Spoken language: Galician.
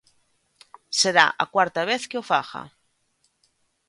Será a cuarta vez que o faga.